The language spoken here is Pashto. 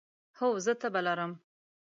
هو، زه تبه لرم